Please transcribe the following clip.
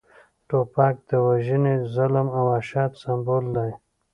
توپک د وژنې، ظلم او وحشت سمبول دی